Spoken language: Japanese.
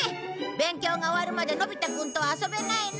勉強が終わるまでのび太くんとは遊べないの！